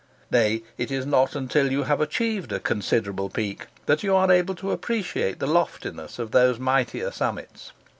Nay, it is not until you have achieved a considerable peak that you are able to appreciate the loftiness of those mightier summits.